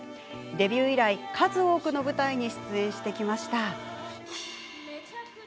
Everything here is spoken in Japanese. デビュー以来、数多くの舞台に出演してきました。